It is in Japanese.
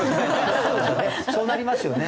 そうなりますよね。